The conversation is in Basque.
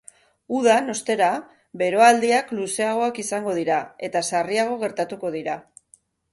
Udan, ostera, beroaldiak luzeagoak izango dira, eta sarriago gertatuko dira.